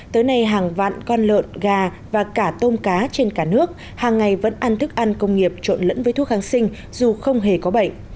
tới nay hàng vạn con lợn gà và cả tôm cá trên cả nước hàng ngày vẫn ăn thức ăn công nghiệp trộn lẫn với thuốc kháng sinh dù không hề có bệnh